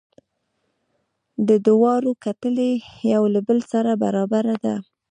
د دواړو کتلې یو له بل سره برابره ده.